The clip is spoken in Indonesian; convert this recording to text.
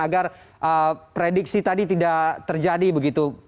agar prediksi tadi tidak terjadi begitu